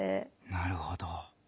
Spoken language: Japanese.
なるほど。